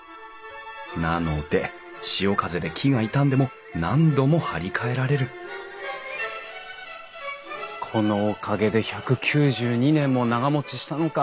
なので潮風で木が傷んでも何度も張り替えられるこのおかげで１９２年も長もちしたのか。